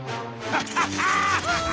ハハハハハ！